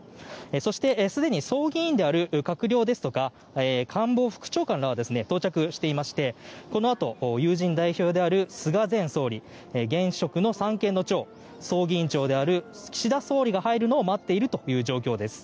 そして、すでに葬儀委員である閣僚ですとか官房副長官らは到着していましてこのあと友人代表である菅前総理現職の三権の長葬儀委員長である岸田総理が入るのを待っているという状況です。